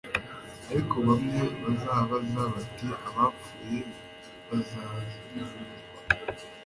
ariko bamwe bazabaza bati abapfuye bazazurwa